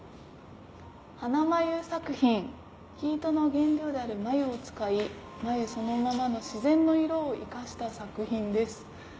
「花まゆ作品生糸の原料である繭を使い繭そのものの自然の色を生かした作品です」。